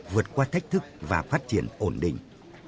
vượt qua thách thức và phát triển ổn định